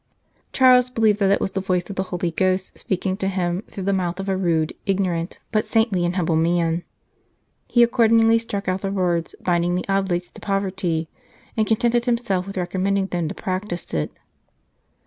Charles believed that it was the voice of the Holy Ghost speaking to him through the mouth of a rude, ignorant, but saintly and humble man. He accordingly struck out the words binding the Oblates to poverty, and contented himself with recommending them to practise it.